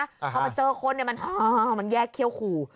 พอมาเจอคนมันแยกเขี้ยวขู่